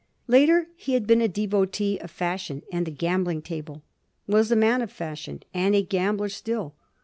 Later he had been a devotee of fashion and the gambling table, was a man of fashion, and a gambler still.